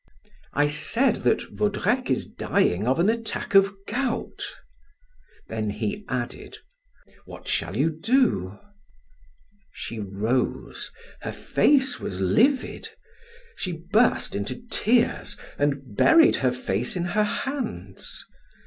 "I said that Vaudrec is dying of an attack of gout." Then he added: "What shall you do?" She rose; her face was livid; she burst into tears and buried her face in her hands.